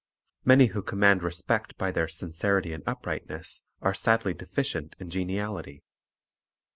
Many who command respect by their sin cerity and uprightness are sadly deficient in geniality.